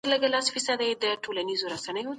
نوی نسل د خپلو پلرونو تاريخي تېروتنې لولي.